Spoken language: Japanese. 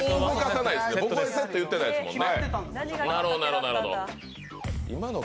僕まだセット言ってないですもんね。